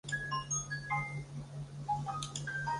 后被弹劾归里。